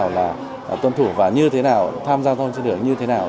như thế nào là tuân thủ và như thế nào tham gia giao thông trên đường như thế nào